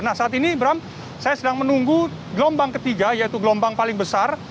nah saat ini ibram saya sedang menunggu gelombang ketiga yaitu gelombang paling besar